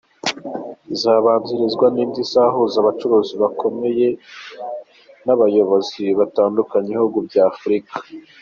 Izabanzirizwa n’indi izahuza abacuruzi bakomeye n’abayobozi batandukanye b’ibihugu bya Afurika.